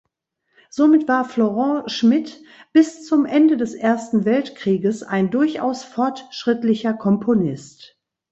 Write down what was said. Somit war Florent Schmitt bis zum Ende des Ersten Weltkrieges ein durchaus fortschrittlicher Komponist.